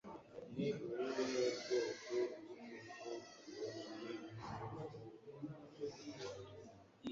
Ni ubuhe bwoko bw'ingufu buzwi nk'ingufu zo kugenda